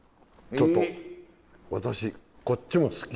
ちょっと私こっちも好き。